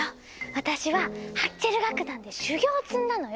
私はハッチェル楽団で修業を積んだのよ。